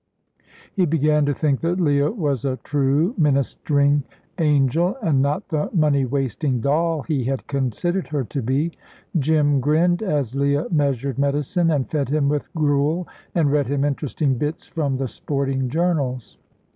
He began to think that Leah was a true ministering angel, and not the money wasting doll he had considered her to be. Jim grinned as Leah measured medicine, and fed him with gruel, and read him interesting bits from the sporting journals.